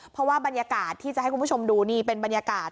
เพราะว่าบรรยากาศที่จะให้คุณผู้ชมดูนี่เป็นบรรยากาศ